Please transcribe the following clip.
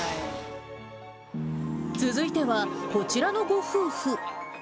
続いては、こちらのご夫婦。